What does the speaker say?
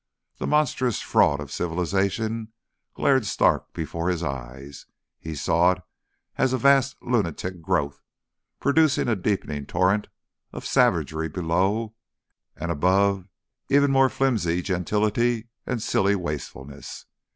The monstrous fraud of civilisation glared stark before his eyes; he saw it as a vast lunatic growth, producing a deepening torrent of savagery below, and above ever more flimsy gentility and silly wastefulness.